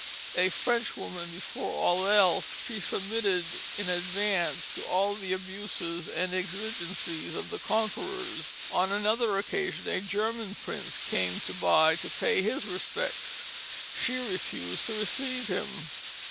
A French woman before all else, she submitted in advance to all the abuses and exigencies of the conquerors. On another occasion, a German prince came to By, to pay his respects. She refused to receive him.